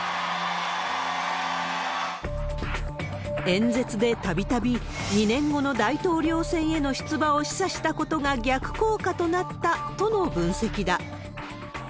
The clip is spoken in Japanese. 演説でたびたび、２年後の大統領選への出馬を示唆したことが逆効果になったとの分析だ。